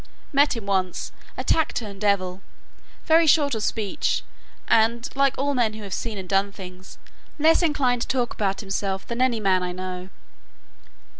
"Met him once a taciturn devil. Very short of speech and, like all men who have seen and done things, less inclined to talk about himself than any man I know."